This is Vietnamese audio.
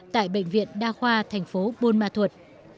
tại bệnh viện đa khoa thành phố buôn ma thuật